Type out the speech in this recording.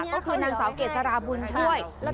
ก็คือนางสาวเกษราบุญช่วย